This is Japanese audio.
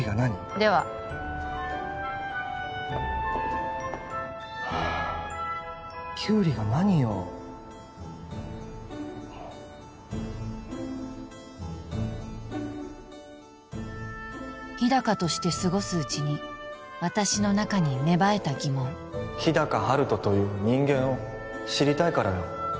でははあきゅうりが何よ日高として過ごすうちに私の中に芽生えた疑問日高陽斗という人間を知りたいからよ